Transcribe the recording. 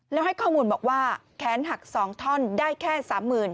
แล้วให้ข้อมูลบอกว่าแค้นหักสองท่อนได้แค่สามหมื่น